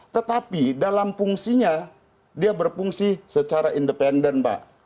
tetapi dalam fungsinya dia berfungsi secara independen pak